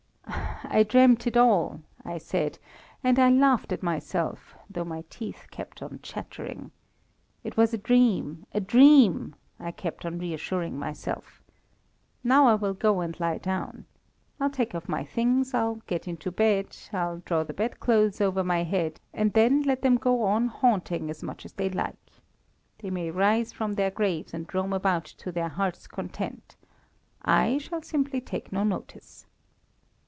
I dreamt it all, I said, and I laughed at myself, though my teeth kept on chattering. It was a dream, a dream, I kept on reassuring myself. Now I will go and lie down. I'll take off my things, I'll get into bed, I'll draw the bed clothes over my head, and then let them go on haunting as much as they like. They may rise from their graves and roam about to their hearts' content. I shall simply take no notice.